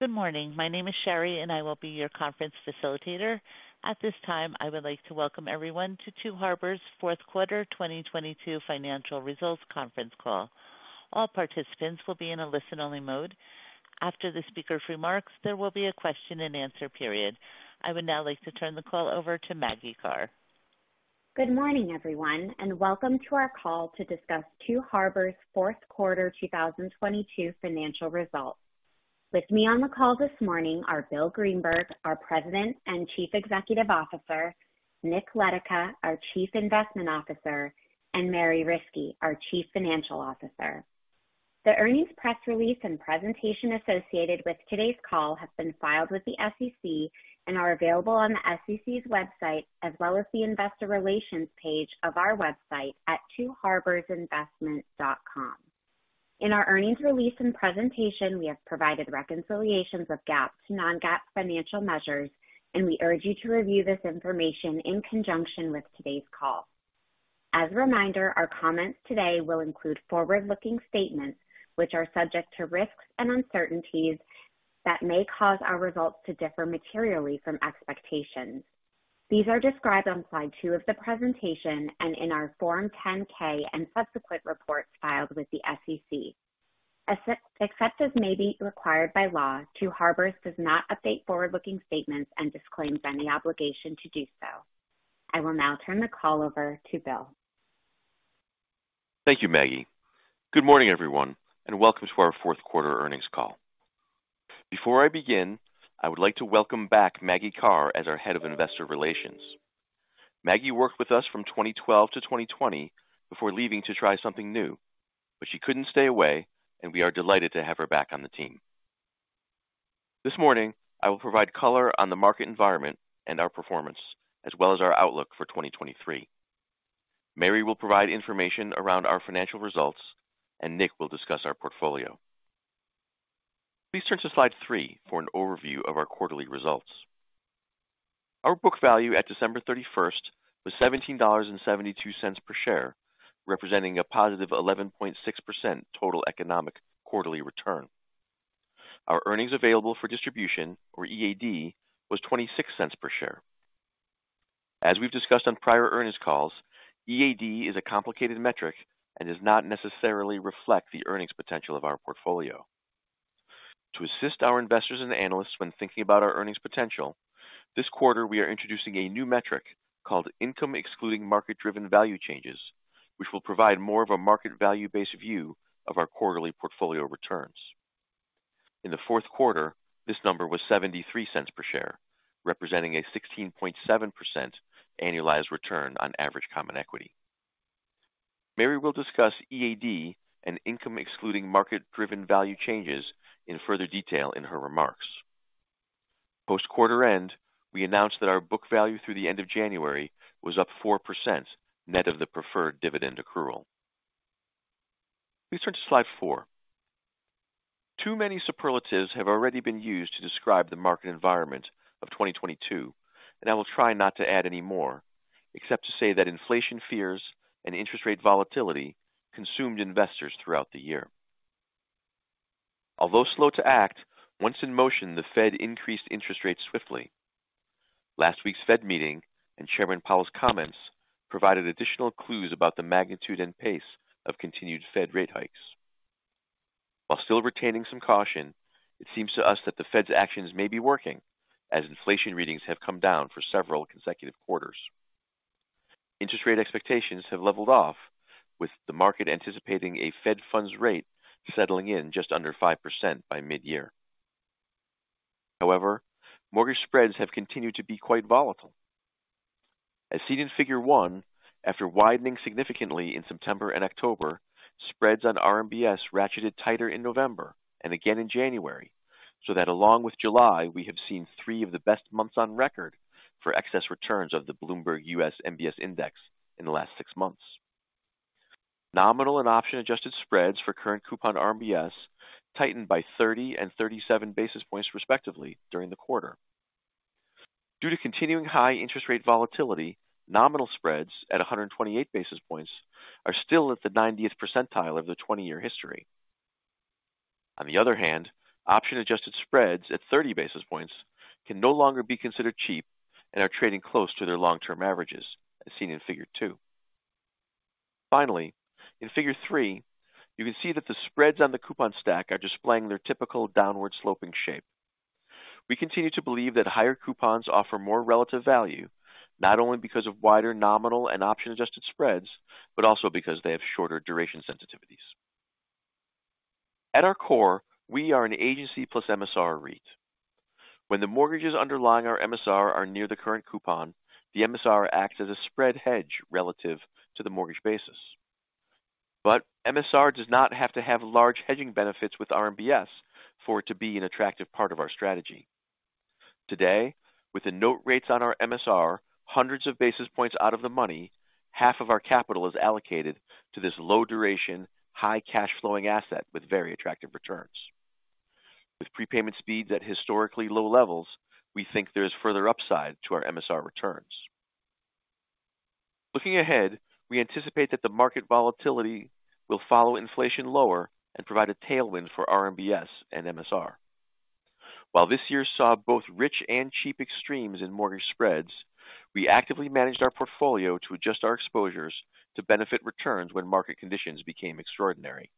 Good morning. My name is Sherry, I will be your conference facilitator. At this time, I would like to welcome everyone to Two Harbors Fourth Quarter 2022 Financial Results Conference Call. All participants will be in a listen-only mode. After the speaker's remarks, there will be a question-and-answer period. I would now like to turn the call over to Maggie Karr. Good morning, everyone. Welcome to our call to discuss Two Harbors fourth quarter 2022 financial results. With me on the call this morning are Bill Greenberg, our President and Chief Executive Officer, Nick Letica, our Chief Investment Officer, and Mary Riskey, our Chief Financial Officer. The earnings press release and presentation associated with today's call have been filed with the SEC and are available on the SEC's website, as well as the investor relations page of our website at twoharborsinvestment.com. In our earnings release and presentation, we have provided reconciliations of GAAP to Non-GAAP financial measures. We urge you to review this information in conjunction with today's call. As a reminder, our comments today will include forward-looking statements which are subject to risks and uncertainties that may cause our results to differ materially from expectations. These are described on slide two of the presentation and in our Form 10-K and subsequent reports filed with the SEC. Except as may be required by law, Two Harbors does not update forward-looking statements and disclaims any obligation to do so. I will now turn the call over to Bill. Thank you, Maggie. Good morning, everyone, welcome to our fourth quarter earnings call. Before I begin, I would like to welcome back Maggie Karr as our Head of Investor Relations. Maggie worked with us from 2012 to 2020 before leaving to try something new, she couldn't stay away, we are delighted to have her back on the team. This morning, I will provide color on the market environment and our performance, as well as our outlook for 2023. Mary will provide information around our financial results, Nick will discuss our portfolio. Please turn to slide three for an overview of our quarterly results. Our book value at December 31st was $17.72 per share, representing a positive 11.6% total economic quarterly return. Our earnings available for distribution or EAD was $0.26 per share. As we've discussed on prior earnings calls, EAD is a complicated metric and does not necessarily reflect the earnings potential of our portfolio. To assist our investors and analysts when thinking about our earnings potential, this quarter we are introducing a new metric called Income Excluding Market-Driven Value Changes, which will provide more of a market value-based view of our quarterly portfolio returns. In the fourth quarter, this number was $0.73 per share, representing a 16.7% annualized return on average common equity. Mary will discuss EAD and Income Excluding Market-Driven Value Changes in further detail in her remarks. Post quarter end, we announced that our book value through the end of January was up 4% net of the preferred dividend accrual. Please turn to slide four. Too many superlatives have already been used to describe the market environment of 2022, and I will try not to add any more except to say that inflation fears and interest rate volatility consumed investors throughout the year. Although slow to act, once in motion, the Fed increased interest rates swiftly. Last week's Fed meeting and Chairman Powell's comments provided additional clues about the magnitude and pace of continued Fed rate hikes. While still retaining some caution, it seems to us that the Fed's actions may be working as inflation readings have come down for several consecutive quarters. Interest rate expectations have leveled off, with the market anticipating a Fed funds rate settling in just under 5% by mid-year. However, mortgage spreads have continued to be quite volatile. As seen in figure 1, after widening significantly in September and October, spreads on RMBS ratcheted tighter in November and again in January. That along with July, we have seen three of the best months on record for excess returns of the Bloomberg US MBS Index in the last six months. Nominal and option adjusted spreads for current coupon RMBS tightened by 30 and 37 basis points, respectively, during the quarter. Due to continuing high interest rate volatility, nominal spreads at 128 basis points are still at the 90th percentile of their 20-year history. On the other hand, option-adjusted spreads at 30 basis points can no longer be considered cheap and are trading close to their long-term averages, as seen in figure 2. Finally, in figure 3, you can see that the spreads on the coupon stack are displaying their typical downward sloping shape. We continue to believe that higher coupons offer more relative value, not only because of wider nominal and option-adjusted spreads, but also because they have shorter duration sensitivities. At our core, we are An Agency + MSR REIT. When the mortgages underlying our MSR are near the current coupon, the MSR acts as a spread hedge relative to the mortgage basis. MSR does not have to have large hedging benefits with RMBS for it to be an attractive part of our strategy. Today, with the note rates on our MSR hundreds of basis points out of the money, half of our capital is allocated to this low duration, high cash flowing asset with very attractive returns. With prepayment speeds at historically low levels, we think there is further upside to our MSR returns. Looking ahead, we anticipate that the market volatility will follow inflation lower and provide a tailwind for RMBS and MSR. While this year saw both rich and cheap extremes in mortgage spreads, we actively managed our portfolio to adjust our exposures to benefit returns when market conditions became extraordinary.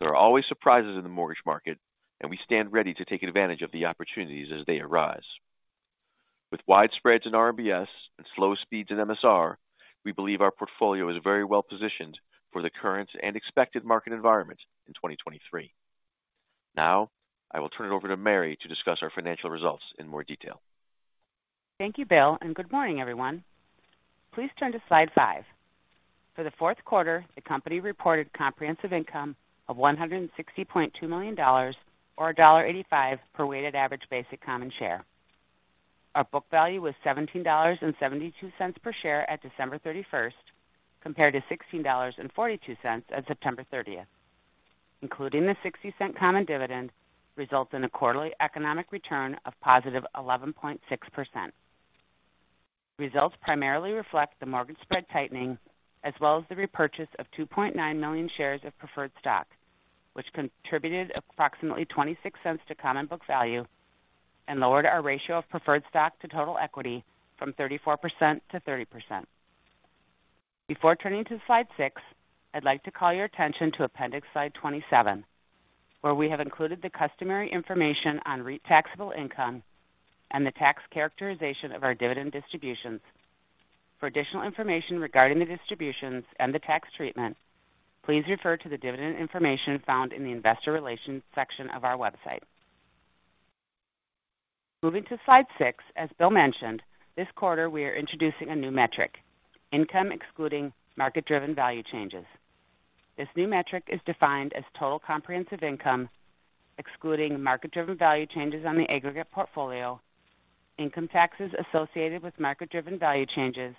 There are always surprises in the mortgage market, and we stand ready to take advantage of the opportunities as they arise. With wide spreads in RMBS and slow speeds in MSR, we believe our portfolio is very well positioned for the current and expected market environment in 2023. I will turn it over to Mary to discuss our financial results in more detail. Thank you, Bill. Good morning, everyone. Please turn to slide five. For the fourth quarter, the company reported comprehensive income of $160.2 million or $1.85 per weighted average basic common share. Our book value was $17.72 per share at December 31st, compared to $16.42 at September 30th. Including the $0.60 common dividend results in a quarterly economic return of positive 11.6%. Results primarily reflect the mortgage spread tightening as well as the repurchase of 2.9 million shares of preferred stock, which contributed approximately $0.26 to common book value and lowered our ratio of preferred stock to total equity from 34% to 30%. Before turning to slide six, I'd like to call your attention to appendix slide 27, where we have included the customary information on REIT taxable income and the tax characterization of our dividend distributions. For additional information regarding the distributions and the tax treatment, please refer to the dividend information found in the Investor Relations section of our website. Moving to slide six, as Bill mentioned, this quarter we are introducing a new metric, Income Excluding Market-Driven Value Changes. This new metric is defined as total comprehensive Income Excluding Market-Driven Value Changes on the aggregate portfolio, income taxes associated with market-driven value changes,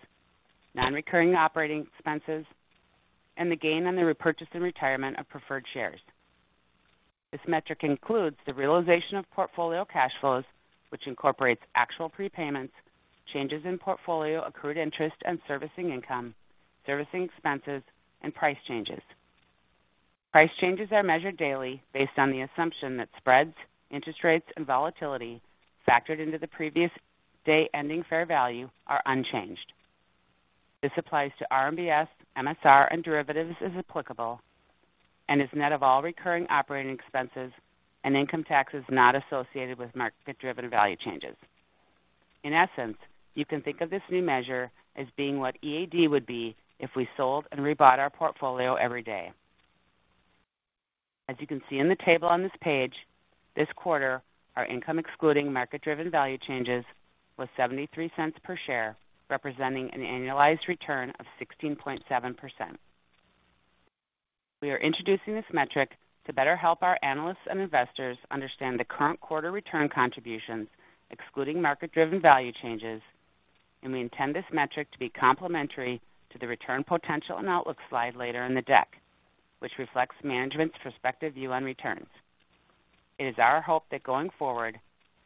non-recurring operating expenses, and the gain on the repurchase and retirement of preferred shares. This metric includes the realization of portfolio cash flows, which incorporates actual prepayments, changes in portfolio accrued interest and servicing income, servicing expenses, and price changes. Price changes are measured daily based on the assumption that spreads, interest rates, and volatility factored into the previous day ending fair value are unchanged. This applies to RMBS, MSR, and derivatives as applicable, and is net of all recurring operating expenses and income taxes not associated with market driven value changes. In essence, you can think of this new measure as being what EAD would be if we sold and rebought our portfolio every day. As you can see in the table on this page, this quarter our Income Excluding Market-Driven Value Changes was $0.73 per share, representing an annualized return of 16.7%. We are introducing this metric to better help our analysts and investors understand the current quarter return contributions excluding market driven value changes. We intend this metric to be complementary to the return potential and outlook slide later in the deck, which reflects management's prospective view on returns. It is our hope that going forward,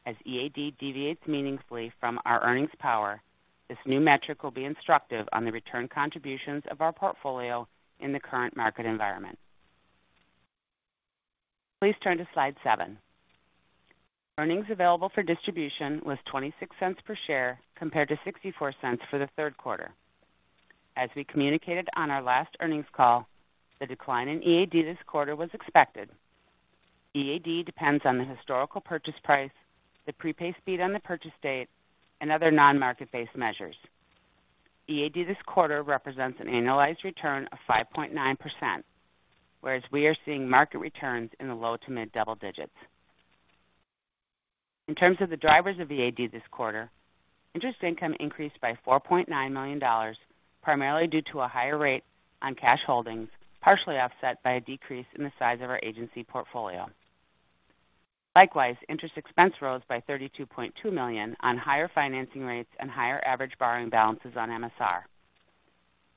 as EAD deviates meaningfully from our earnings power, this new metric will be instructive on the return contributions of our portfolio in the current market environment. Please turn to slide seven. Earnings available for distribution was $0.26 per share compared to $0.64 for the third quarter. As we communicated on our last earnings call, the decline in EAD this quarter was expected. EAD depends on the historical purchase price, the prepay speed on the purchase date, and other non-market based measures. EAD this quarter represents an annualized return of 5.9%, whereas we are seeing market returns in the low to mid double digits. In terms of the drivers of EAD this quarter, interest income increased by $4.9 million, primarily due to a higher rate on cash holdings, partially offset by a decrease in the size of our agency portfolio. Interest expense rose by $32.2 million on higher financing rates and higher average borrowing balances on MSR.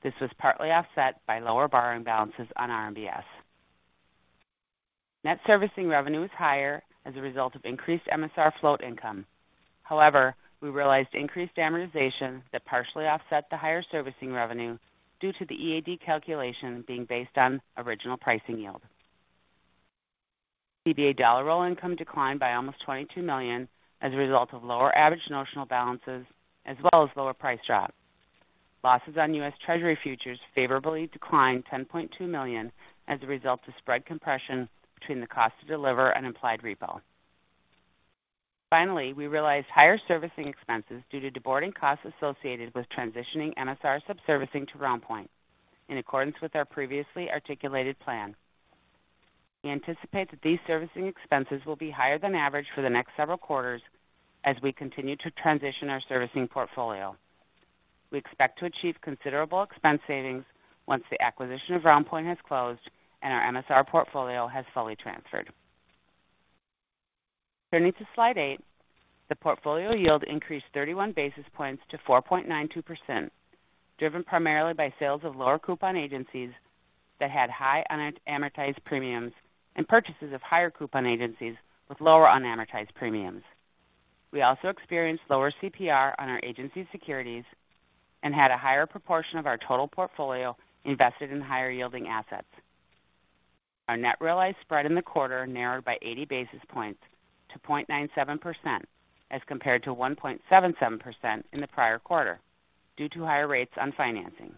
This was partly offset by lower borrowing balances on RMBS. Net servicing revenue was higher as a result of increased MSR float income. We realized increased amortization that partially offset the higher servicing revenue due to the EAD calculation being based on original pricing yield. TBA dollar roll income declined by almost $22 million as a result of lower average notional balances as well as lower price drop. Losses on U.S. Treasury futures favorably declined $10.2 million as a result of spread compression between the cost to deliver and implied repo. We realized higher servicing expenses due to deboarding costs associated with transitioning MSR subservicing to RoundPoint in accordance with our previously articulated plan. We anticipate that these servicing expenses will be higher than average for the next several quarters as we continue to transition our servicing portfolio. We expect to achieve considerable expense savings once the acquisition of RoundPoint has closed and our MSR portfolio has fully transferred. Turning to slide eight. The portfolio yield increased 31 basis points to 4.92%, driven primarily by sales of lower coupon agencies that had high unamortized premiums and purchases of higher coupon agencies with lower unamortized premiums. We also experienced lower CPR on our agency securities and had a higher proportion of our total portfolio invested in higher yielding assets. Our net realized spread in the quarter narrowed by 80 basis points to 0.97% as compared to 1.77% in the prior quarter due to higher rates on financing.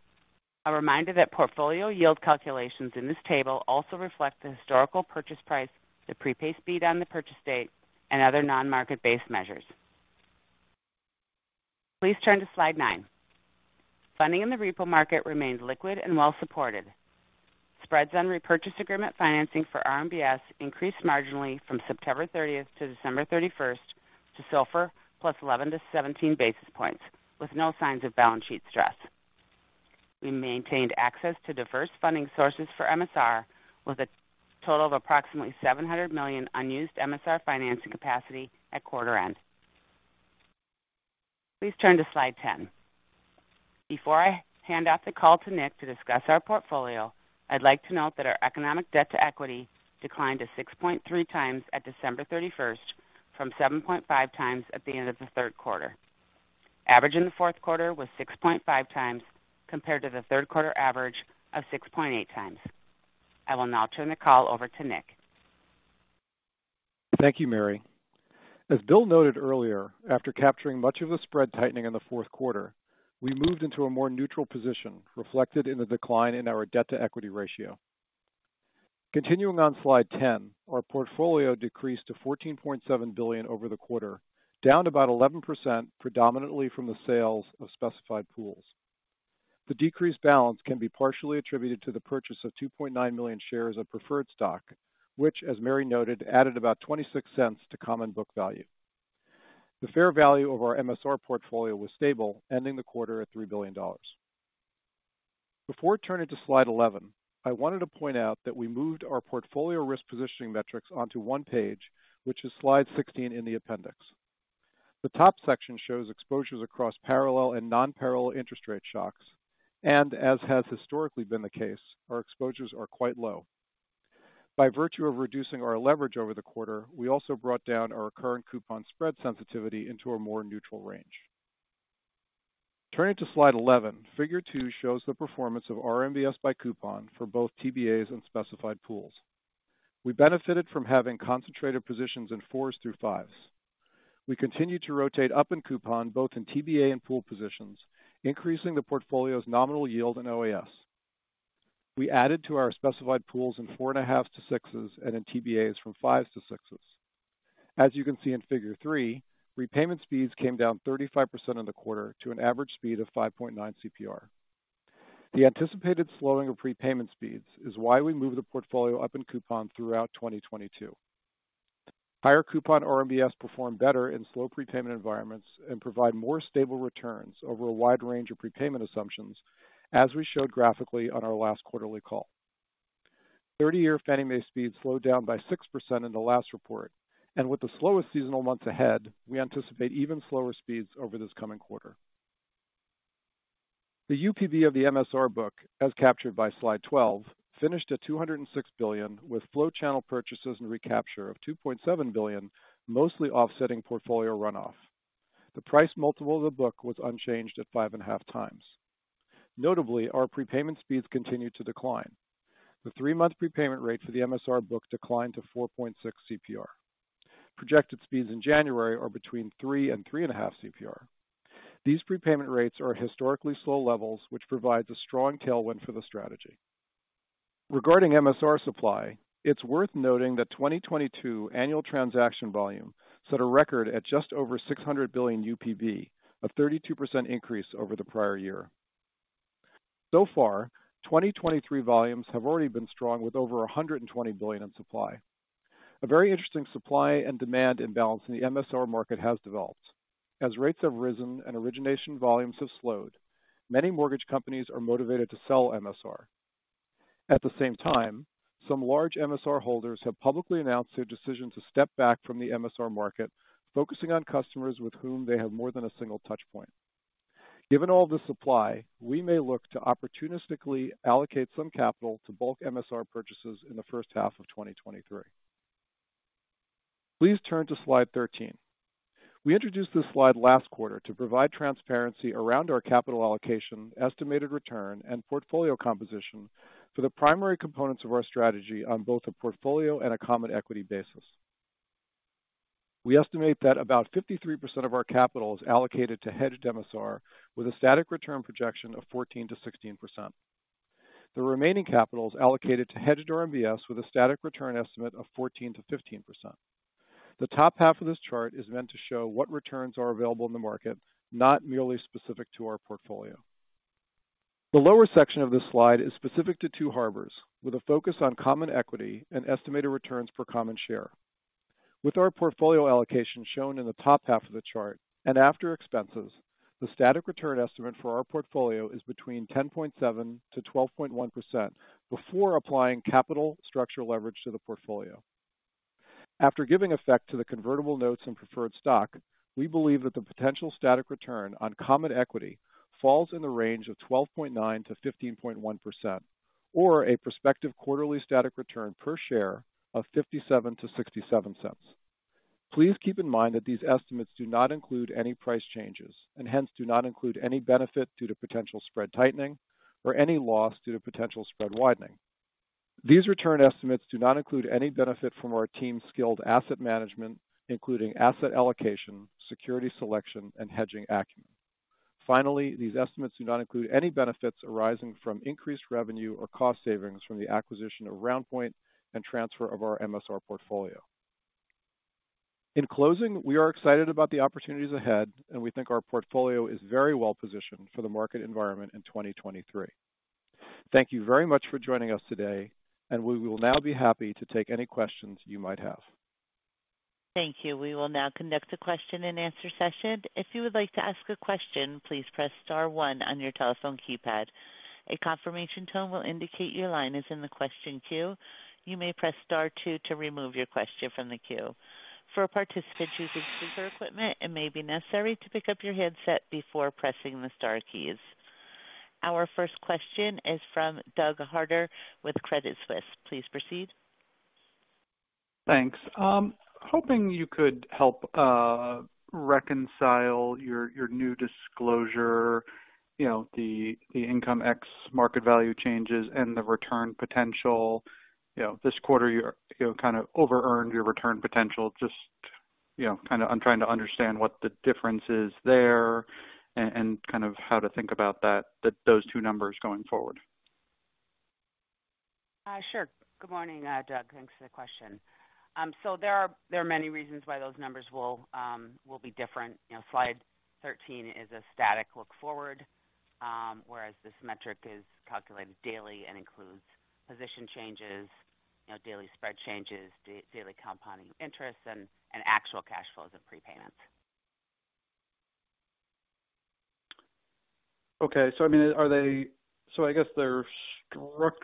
A reminder that portfolio yield calculations in this table also reflect the historical purchase price, the prepay speed on the purchase date, and other non-market-based measures. Please turn to slide nine. Funding in the repo market remains liquid and well supported. Spreads on repurchase agreement financing for RMBS increased marginally from September 30th to December 31st to SOFR plus 11 to 17 basis points with no signs of balance sheet stress. We maintained access to diverse funding sources for MSR with a total of approximately $700 million unused MSR financing capacity at quarter end. Please turn to slide 10. Before I hand off the call to Nick to discuss our portfolio, I'd like to note that our economic debt-to-equity declined to 6.3x at December 31st from 7.5x at the end of the third quarter. Average in the fourth quarter was 6.5x compared to the third quarter average of 6.8x. I will now turn the call over to Nick. Thank you, Mary. As Bill noted earlier, after capturing much of the spread tightening in the fourth quarter, we moved into a more neutral position reflected in the decline in our debt-to-equity ratio. On slide 10, our portfolio decreased to $14.7 billion over the quarter, down about 11% predominantly from the sales of specified pools. The decreased balance can be partially attributed to the purchase of $2.9 million shares of preferred stock, which as Mary noted, added about $0.26 to common book value. The fair value of our MSR portfolio was stable, ending the quarter at $3 billion. Before turning to slide 11, I wanted to point out that we moved our portfolio risk positioning metrics onto one page, which is slide 16 in the appendix. As has historically been the case, our exposures are quite low. By virtue of reducing our leverage over the quarter, we also brought down our current coupon spread sensitivity into a more neutral range. Turning to slide 11, figure 2 shows the performance of RMBS by coupon for both TBAs and specified pools. We benefited from having concentrated positions in 4s through 5s. We continued to rotate up in coupon, both in TBA and pool positions, increasing the portfolio's nominal yield in OAS. We added to our specified pools in 4.5 to 6s and in TBAs from 5s to 6s. As you can see in figure 3, prepayment speeds came down 35% in the quarter to an average speed of 5.9 CPR. The anticipated slowing of prepayment speeds is why we moved the portfolio up in coupon throughout 2022. Higher coupon RMBS perform better in slow prepayment environments and provide more stable returns over a wide range of prepayment assumptions, as we showed graphically on our last quarterly call. 30-year Fannie Mae speeds slowed down by 6% in the last report, with the slowest seasonal months ahead, we anticipate even slower speeds over this coming quarter. The UPB of the MSR book, as captured by slide 12, finished at $206 billion, with flow channel purchases and recapture of $2.7 billion, mostly offsetting portfolio runoff. The price multiple of the book was unchanged at 5.5x. Notably, our prepayment speeds continued to decline. The three-month prepayment rate for the MSR book declined to 4.6 CPR. Projected speeds in January are between 3 and 3.5 CPR. These prepayment rates are at historically slow levels, which provides a strong tailwind for the strategy. Regarding MSR supply, it's worth noting that 2022 annual transaction volume set a record at just over $600 billion UPB, a 32% increase over the prior year. So far, 2023 volumes have already been strong with over $120 billion in supply. A very interesting supply and demand imbalance in the MSR market has developed. As rates have risen and origination volumes have slowed, many mortgage companies are motivated to sell MSR. At the same time, some large MSR holders have publicly announced their decision to step back from the MSR market, focusing on customers with whom they have more than a single touch point. Given all the supply, we may look to opportunistically allocate some capital to bulk MSR purchases in the first half of 2023. Please turn to slide 13. We introduced this slide last quarter to provide transparency around our capital allocation, estimated return, and portfolio composition for the primary components of our strategy on both a portfolio and a common equity basis. We estimate that about 53% of our capital is allocated to hedged MSR with a static return projection of 14%-16%. The remaining capital is allocated to hedged RMBS with a static return estimate of 14%-15%. The top half of this chart is meant to show what returns are available in the market, not merely specific to our portfolio. The lower section of this slide is specific to Two Harbors, with a focus on common equity and estimated returns per common share. With our portfolio allocation shown in the top half of the chart and after expenses, the static return estimate for our portfolio is between 10.7%-12.1% before applying capital structural leverage to the portfolio. After giving effect to the convertible notes and preferred stock, we believe that the potential static return on common equity falls in the range of 12.9%-15.1% or a prospective quarterly static return per share of $0.57-$0.67. Please keep in mind that these estimates do not include any price changes and hence do not include any benefit due to potential spread tightening or any loss due to potential spread widening. These return estimates do not include any benefit from our team's skilled asset management, including asset allocation, security selection and hedging acumen. Finally, these estimates do not include any benefits arising from increased revenue or cost savings from the acquisition of RoundPoint and transfer of our MSR portfolio. In closing, we are excited about the opportunities ahead, and we think our portfolio is very well positioned for the market environment in 2023. Thank you very much for joining us today, and we will now be happy to take any questions you might have. Thank you. We will now conduct a question-and-answer session. If you would like to ask a question, please press star one on your telephone keypad. A confirmation tone will indicate your line is in the question queue. You may press star two to remove your question from the queue. For participants using computer equipment, it may be necessary to pick up your headset before pressing the star keys. Our first question is from Doug Harter with Credit Suisse. Please proceed. Thanks. Hoping you could help reconcile your new disclosure, the Income Ex Market Value Changes and the return potential. This quarter you kind of over-earned your return potential. Just I'm trying to understand what the difference is there and how to think about those two numbers going forward. Sure. Good morning, Doug. Thanks for the question. There are many reasons why those numbers will be different. You know, slide 13 is a static look forward, whereas this metric is calculated daily and includes position changes, you know, daily spread changes, daily compounding interest, and actual cash flows and prepayments. Okay. I mean,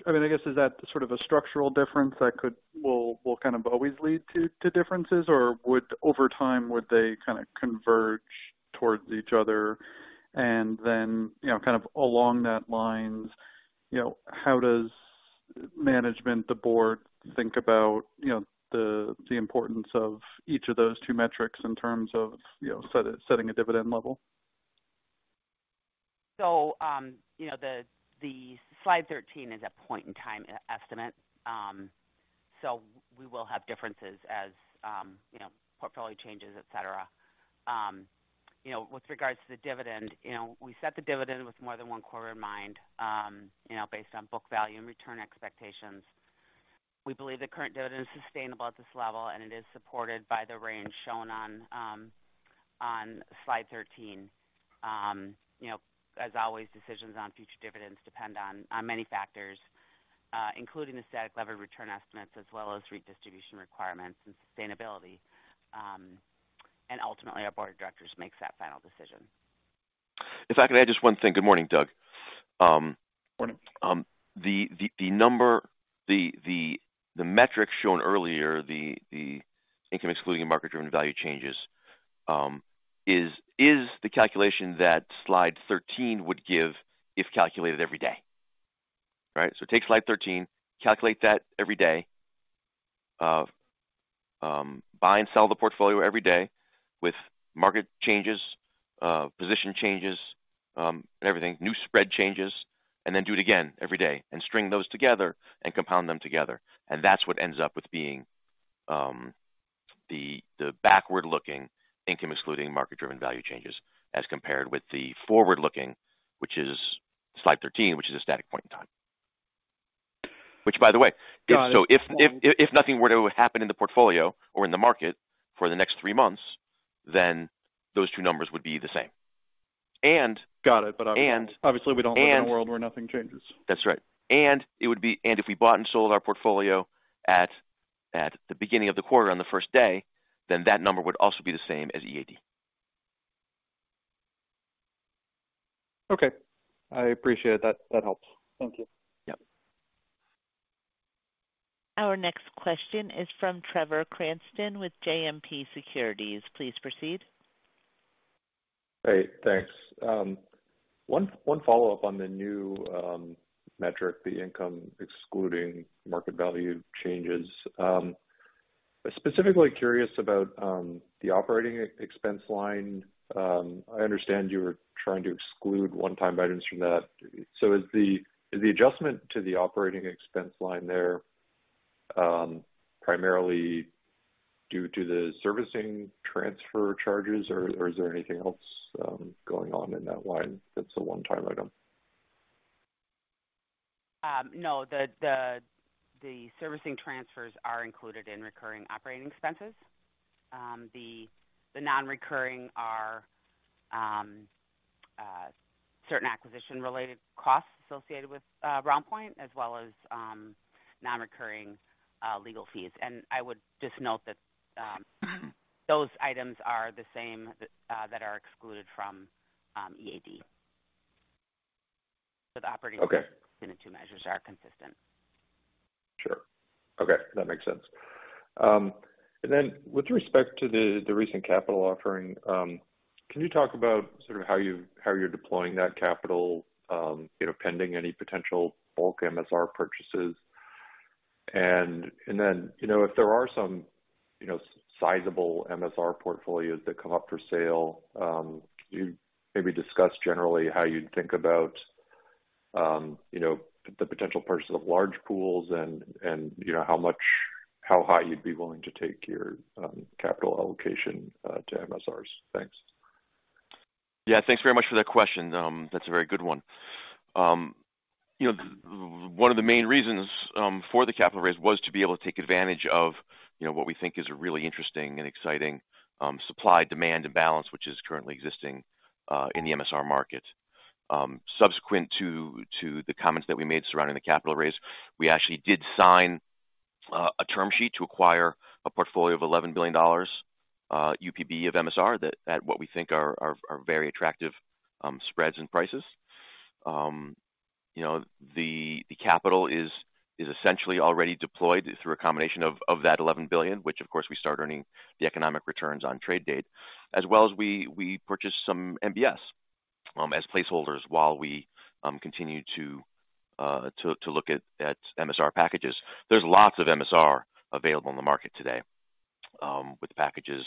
I guess is that sort of a structural difference that could will kind of always lead to differences? Would over time, would they kind of converge towards each other? You know, kind of along that lines, you know, how does management, the board think about, you know, the importance of each of those two metrics in terms of, you know, setting a dividend level? You know, the slide 13 is a point in time estimate. We will have differences as, you know, portfolio changes, et cetera. You know, with regards to the dividend, you know, we set the dividend with more than one quarter in mind, you know, based on book value and return expectations. We believe the current dividend is sustainable at this level, and it is supported by the range shown on slide 13. You know, as always, decisions on future dividends depend on many factors, including the static levered return estimates as well as redistribution requirements and sustainability. Ultimately, our Board of Directors makes that final decision. If I could add just one thing. Good morning, Doug. Morning. The number, the metric shown earlier, the Income Excluding Market-Driven Value Changes is the calculation that slide 13 would give if calculated every day. Right? Take slide 13, calculate that every day, buy and sell the portfolio every day with market changes, position changes, everything, new spread changes, and then do it again every day and string those together and compound them together. That's what ends up with being the backward-looking Income Excluding Market-Driven Value Changes as compared with the forward-looking, which is slide 13, which is a static point in time. By the way, Got it. If nothing were to happen in the portfolio or in the market for the next three months, then those two numbers would be the same. Got it. Obviously we don't live in a world where nothing changes. That's right. It would be and if we bought and sold our portfolio at the beginning of the quarter on the first day, that number would also be the same as EAD. Okay. I appreciate that. That helps. Thank you. Yep. Our next question is from Trevor Cranston with JMP Securities. Please proceed. Hey, thanks. One, one follow-up on the new metric, the Income Excluding Market Value Changes. Specifically curious about the operating expense line. I understand you were trying to exclude one-time items from that. Is the adjustment to the operating expense line there primarily due to the servicing transfer charges, or is there anything else going on in that line that's a one-time item? No. The servicing transfers are included in recurring operating expenses. The non-recurring are certain acquisition-related costs associated with RoundPoint as well as non-recurring legal fees. I would just note that those items are the same that are excluded from EAD. Okay. The two measures are consistent. Sure. Okay, that makes sense. With respect to the recent capital offering, can you talk about sort of how you, how you're deploying that capital, you know, pending any potential bulk MSR purchases? Then, you know, if there are some, you know, sizeable MSR portfolios that come up for sale, can you maybe discuss generally how you'd think about, you know, the potential purchase of large pools and, you know, how high you'd be willing to take your capital allocation to MSRs? Thanks. Yeah, thanks very much for that question. That's a very good one. You know, one of the main reasons for the capital raise was to be able to take advantage of, you know, what we think is a really interesting and exciting supply, demand, and balance which is currently existing in the MSR market. Subsequent to the comments that we made surrounding the capital raise, we actually did sign a term sheet to acquire a portfolio of $11 billion UPB of MSR that at what we think are very attractive spreads and prices. You know, the capital is essentially already deployed through a combination of that $11 billion, which of course we start earning the economic returns on trade date. As well as we purchased some MBS as placeholders while we continue to look at MSR packages. There's lots of MSR available in the market today with packages.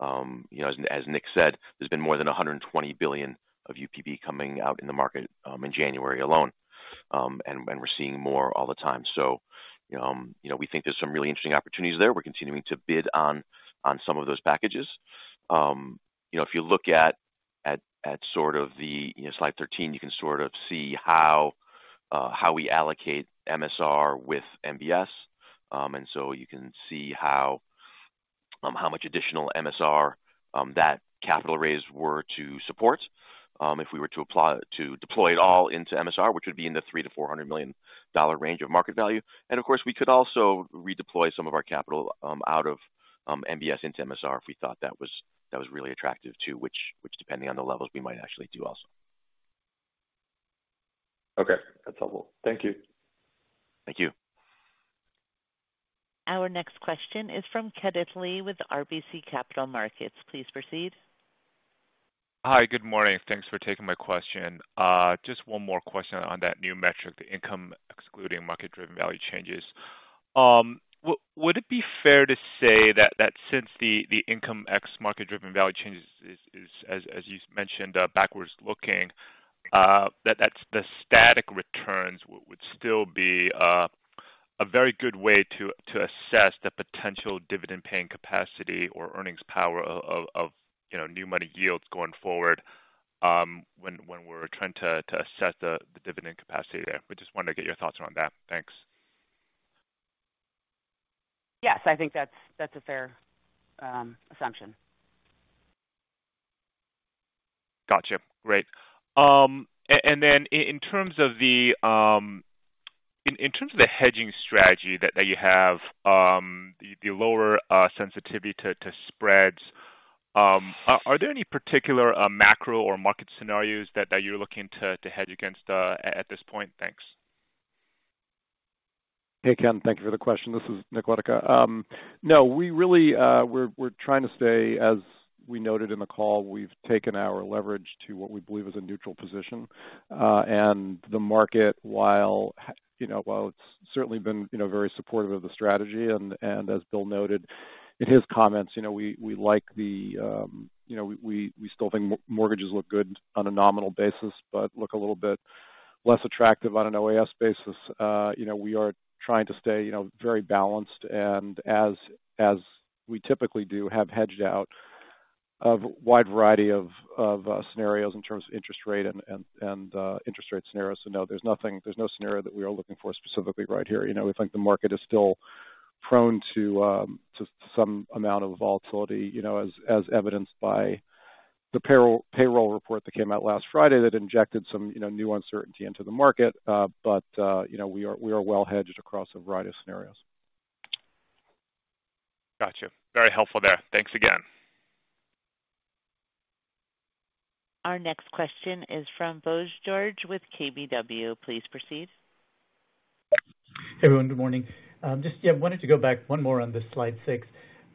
You know, as Nick said, there's been more than $120 billion of UPB coming out in the market in January alone. And we're seeing more all the time. You know, we think there's some really interesting opportunities there. We're continuing to bid on some of those packages. You know, if you look at sort of the, you know, slide 13, you can sort of see how we allocate MSR with MBS. You can see how how much additional MSR that capital raise were to support if we were to deploy it all into MSR, which would be in the $300 million-$400 million range of market value. Of course, we could also redeploy some of our capital out of MBS into MSR, if we thought that was really attractive too. Depending on the levels we might actually do also. Okay. That's helpful. Thank you. Thank you. Our next question is from Kenneth Lee with RBC Capital Markets. Please proceed. Hi. Good morning. Thanks for taking my question. Just one more question on that new metric, the Income Excluding Market-Driven Value Changes. Would it be fair to say that since the Income Ex Market-Driven Value Changes is, as you mentioned, backwards looking, that that's the static returns would still be a very good way to assess the potential dividend paying capacity or earnings power of, you know, new money yields going forward, when we're trying to assess the dividend capacity there. We just wanted to get your thoughts around that. Thanks. Yes. I think that's a fair assumption. Gotcha. Great. In terms of the hedging strategy that you have, the lower sensitivity to spreads, are there any particular macro or market scenarios that you're looking to hedge against at this point? Thanks. Hey, Ken. Thank you for the question. This is Nick Letica. We really, we're trying to stay as we noted in the call, we've taken our leverage to what we believe is a neutral position. The market, while, you know, while it's certainly been, you know, very supportive of the strategy and as Bill noted in his comments, you know, we like the, you know, we still think mortgages look good on a nominal basis, but look a little bit less attractive on an OAS basis. You know, we are trying to stay, you know, very balanced and as we typically do, have hedged out of a wide variety of scenarios in terms of interest rate and interest rate scenarios. No, there's no scenario that we are looking for specifically right here. You know, we think the market is still prone to some amount of volatility, you know, as evidenced by the payroll report that came out last Friday that injected some, you know, new uncertainty into the market. You know, we are well hedged across a variety of scenarios. Gotcha. Very helpful there. Thanks again. Our next question is from Bose George with KBW. Please proceed. Hey, everyone. Good morning. just yeah, wanted to go back one more on this slide six.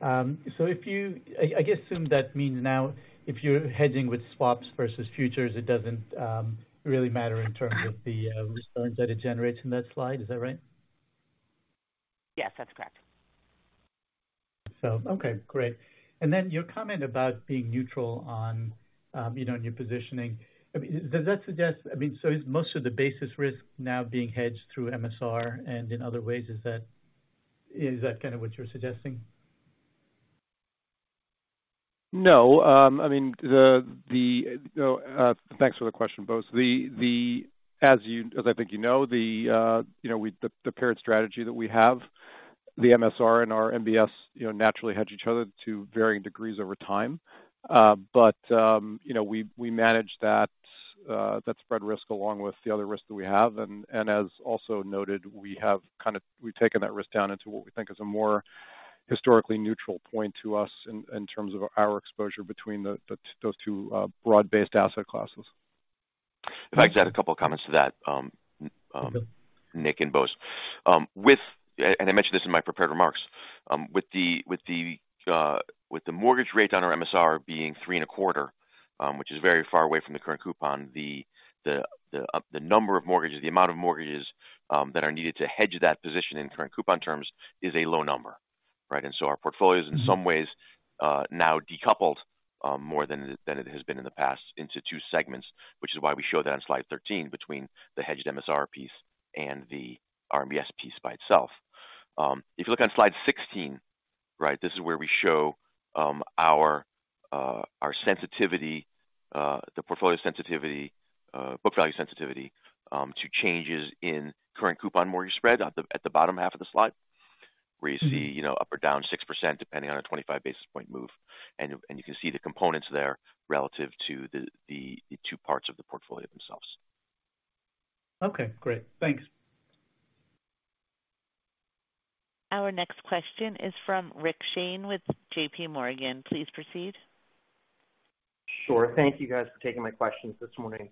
I guess assume that means now if you're hedging with swaps versus futures, it doesn't really matter in terms of the returns that it generates in that slide. Is that right? Yes, that's correct. Okay. Great. Then your comment about being neutral on, you know, new positioning. I mean, is most of the basis risk now being hedged through MSR and in other ways? Is that kind of what you're suggesting? No. I mean, thanks for the question, Bose. The, as I think you know, you know, the paired strategy that we have, the MSR and our MBS, you know, naturally hedge each other to varying degrees over time. You know, we manage that spread risk along with the other risks that we have. As also noted, we've taken that risk down into what we think is a more historically neutral point to us in terms of our exposure between the those two broad-based asset classes. If I could add a couple of comments to that. Mm-hmm. Nick and Bose. I mentioned this in my prepared remarks. With the mortgage rate on our MSR being 3.25, which is very far away from the current coupon, the number of mortgages, the amount of mortgages, that are needed to hedge that position in current coupon terms is a low number, right? Our portfolio is in some ways, now decoupled, more than it has been in the past into two segments, which is why we show that on slide 13 between the hedged MSR piece and the RMBS piece by itself. If you look on slide 16, right, this is where we show, our sensitivity, the portfolio sensitivity, book value sensitivity, to changes in current coupon mortgage spread at the bottom half of the slide, where you see Mm-hmm. you know, up or down 6% depending on a 25 basis point move. You can see the components there relative to the two parts of the portfolio themselves. Okay, great. Thanks. Our next question is from Rick Shane with JPMorgan. Please proceed. Sure. Thank you guys for taking my questions this morning.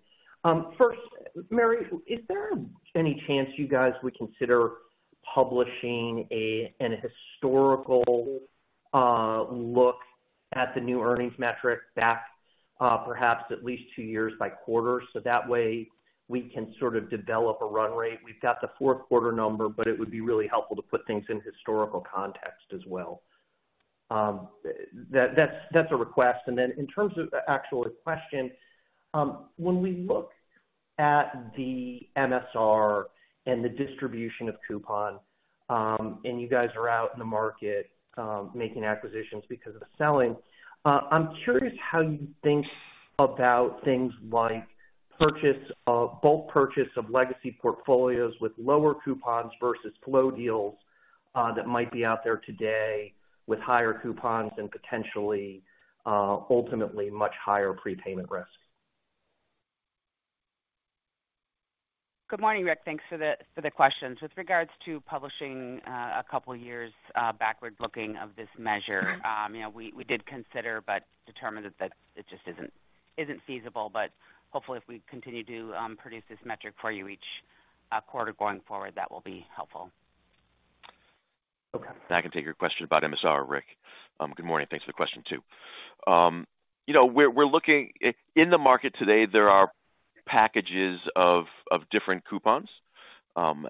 First, Mary, is there any chance you guys would consider publishing an historical look at the new earnings metric back, perhaps at least two years by quarter, so that way we can sort of develop a run rate. We've got the fourth quarter number. It would be really helpful to put things in historical context as well. That's a request. In terms of the actual question, when we look at the MSR and the distribution of coupon, and you guys are out in the market, making acquisitions because of the selling, I'm curious how you think about things like bulk purchase of legacy portfolios with lower coupons versus flow deals that might be out there today with higher coupons and potentially, ultimately much higher prepayment risk. Good morning, Rick. Thanks for the questions. With regards to publishing a couple years backward-looking of this measure. You know, we did consider but determined that it just isn't feasible, but hopefully, if we continue to produce this metric for you each quarter going forward, that will be helpful. Okay. I can take your question about MSR, Rick. Good morning. Thanks for the question, too. You know, in the market today, there are packages of different coupons.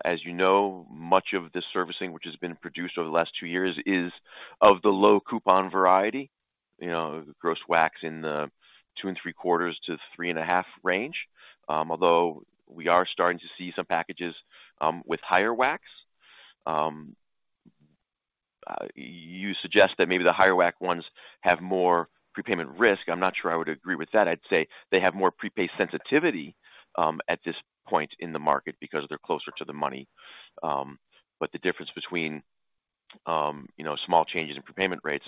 As you know, much of this servicing, which has been produced over the last two years, is of the low coupon variety. You know, gross WACs in the 2.75%-3.5% range. Although we are starting to see some packages with higher WACs. You suggest that maybe the higher WAC ones have more prepayment risk. I'm not sure I would agree with that. I'd say they have more prepay sensitivity at this point in the market because they're closer to the money. The difference between, you know, small changes in prepayment rates,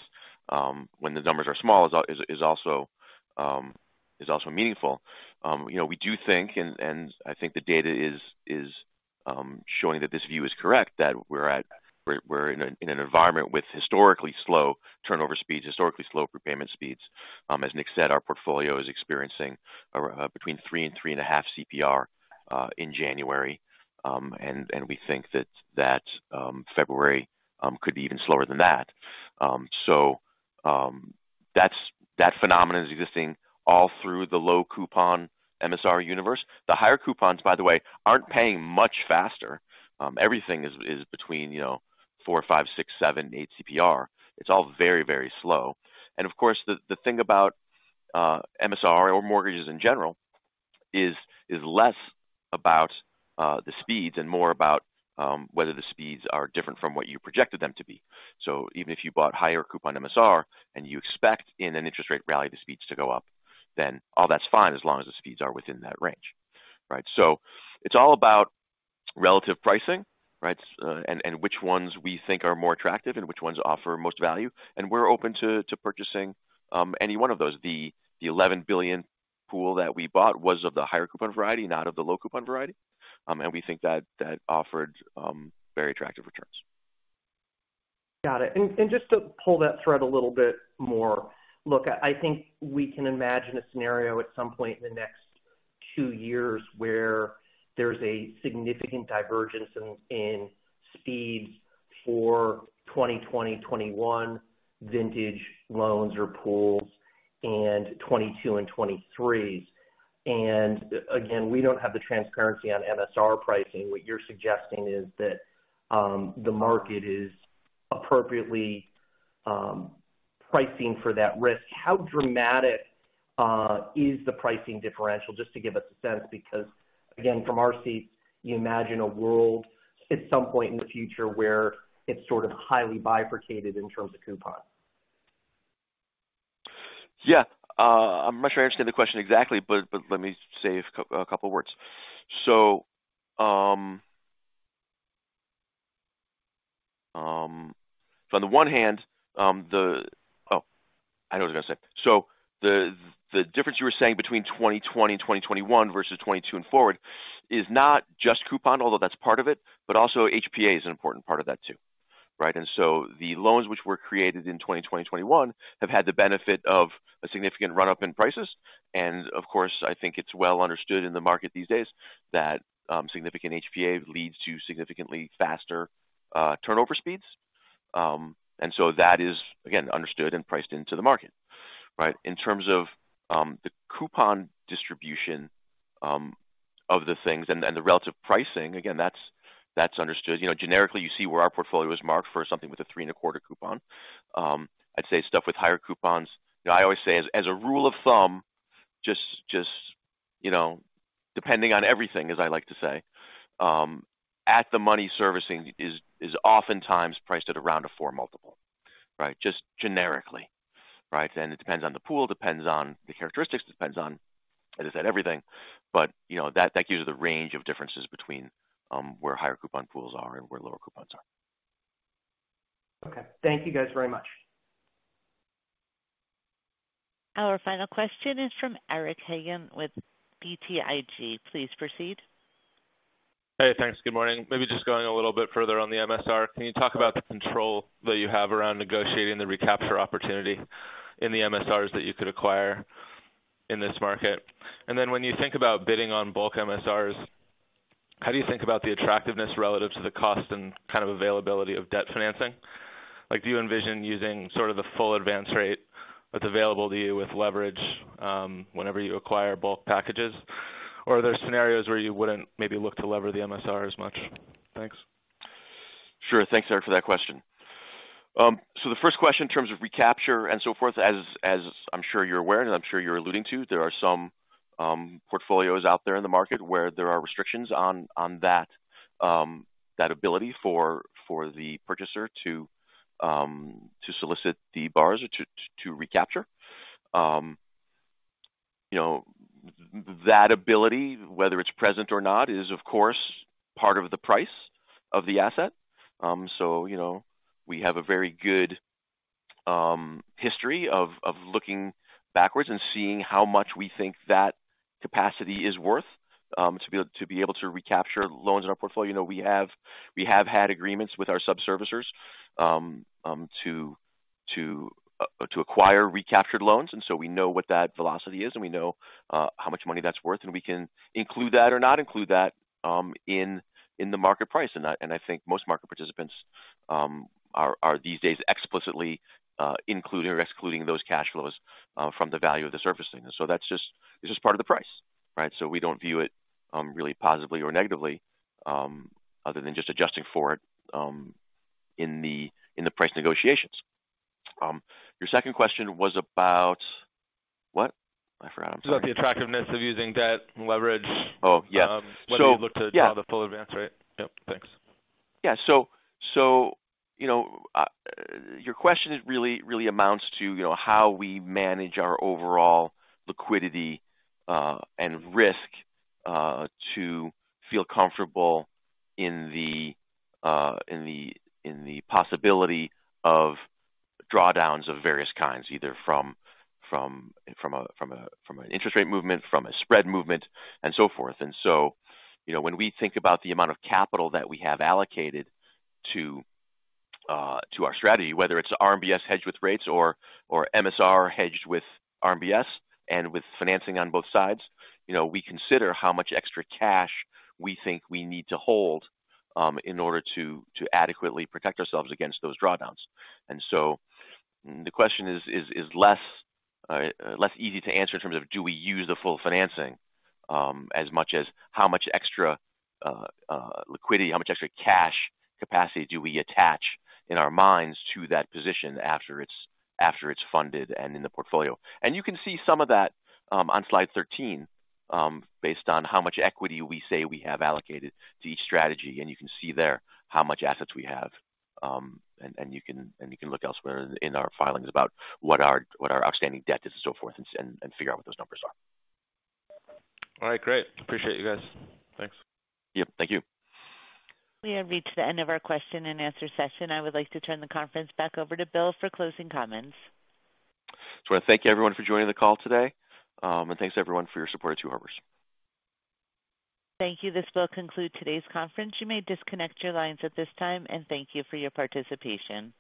when the numbers are small is also meaningful. You know, we do think and I think the data is showing that this view is correct, that we're in an environment with historically slow turnover speeds, historically slow prepayment speeds. As Nick said, our portfolio is experiencing between 3 and 3.5 CPR in January. We think that February could be even slower than that. That phenomenon is existing all through the low coupon MSR universe. The higher coupons, by the way, aren't paying much faster. Everything is between, you know, 4, 5, 6, 7, 8 CPR. It's all very, very slow. Of course, the thing about MSR or mortgages in general is less about the speeds and more about whether the speeds are different from what you projected them to be. Even if you bought higher coupon MSR and you expect in an interest rate rally the speeds to go up, then all that's fine as long as the speeds are within that range. Right? It's all about relative pricing, right? And, and which ones we think are more attractive and which ones offer most value. We're open to purchasing any one of those. The, the $11 billion pool that we bought was of the higher coupon variety, not of the low coupon variety. We think that offered very attractive returns. Got it. Just to pull that thread a little bit more. Look, I think we can imagine a scenario at some point in the next two years where there's a significant divergence in speeds for 2020, 2021 vintage loans or pools and 2022 and 2023s. Again, we don't have the transparency on MSR pricing. What you're suggesting is that, the market is appropriately, pricing for that risk. How dramatic, is the pricing differential? Just to give us a sense, because again, from our seats, you imagine a world at some point in the future where it's sort of highly bifurcated in terms of coupon. Yeah. I'm not sure I understand the question exactly, but let me say a couple of words. From the one hand, Oh, I know what I was gonna say. The difference you were saying between 2020, 2021 versus 2022 and forward is not just coupon, although that's part of it, but also HPA is an important part of that too. Right. The loans which were created in 2021 have had the benefit of a significant run-up in prices. Of course, I think it's well understood in the market these days that significant HPA leads to significantly faster turnover speeds. That is again understood and priced into the market, right. In terms of the coupon distribution of the things and the relative pricing, again, that's understood. You know, generically, you see where our portfolio is marked for something with a 3.25 coupon. I'd say stuff with higher coupons. You know, I always say as a rule of thumb, just, you know, depending on everything, as I like to say, at the money servicing is oftentimes priced at around a four multiple, right? Just generically, right. It depends on the pool, depends on the characteristics, depends on, as I said, everything. You know that gives you the range of differences between where higher coupon pools are and where lower coupons are. Okay. Thank you guys very much. Our final question is from Eric Hagen with BTIG. Please proceed. Hey, thanks. Good morning. Maybe just going a little bit further on the MSR, can you talk about the control that you have around negotiating the recapture opportunity in the MSRs that you could acquire in this market? When you think about bidding on bulk MSRs, how do you think about the attractiveness relative to the cost and kind of availability of debt financing? Do you envision using sort of the full advance rate that's available to you with leverage, whenever you acquire bulk packages? Are there scenarios where you wouldn't maybe look to lever the MSR as much? Thanks. Sure. Thanks, Eric, for that question. The first question in terms of recapture and so forth, as I'm sure you're aware, and I'm sure you're alluding to, there are some portfolios out there in the market where there are restrictions on that ability for the purchaser to solicit the borrowers or to recapture. You know, that ability, whether it's present or not, is of course, part of the price of the asset. You know, we have a very good history of looking backwards and seeing how much we think that capacity is worth, to be able to recapture loans in our portfolio. You know, we have had agreements with our sub-servicers to acquire recaptured loans. We know what that velocity is, and we know how much money that's worth, and we can include that or not include that in the market price. I think most market participants are these days explicitly including or excluding those cash flows from the value of the servicing. It's just part of the price, right? We don't view it really positively or negatively, other than just adjusting for it in the price negotiations. Your second question was about what? I forgot, I'm sorry. Just like the attractiveness of using debt and leverage. Oh, yeah. Whether you look. Yeah. have a full advance rate. Yep. Thanks. So, you know, your question is really amounts to, you know, how we manage our overall liquidity, and risk, to feel comfortable in the possibility of drawdowns of various kinds, either from an interest rate movement, from a spread movement, and so forth. You know, when we think about the amount of capital that we have allocated to our strategy, whether it's RMBS hedged with rates or MSR hedged with RMBS and with financing on both sides, you know, we consider how much extra cash we think we need to hold, in order to adequately protect ourselves against those drawdowns. The question is less easy to answer in terms of do we use the full financing as much as how much extra liquidity, how much extra cash capacity do we attach in our minds to that position after it's funded and in the portfolio. You can see some of that on slide 13, based on how much equity we say we have allocated to each strategy. You can see there how much assets we have. You can look elsewhere in our filings about what our outstanding debt is and so forth, and figure what those numbers are. All right, great. Appreciate you guys. Thanks. Yep. Thank you. We have reached the end of our question-and-answer session. I would like to turn the conference back over to Bill for closing comments. Just wanna thank everyone for joining the call today. Thanks everyone for your support at Two Harbors. Thank you. This will conclude today's conference. You may disconnect your lines at this time, and thank you for your participation.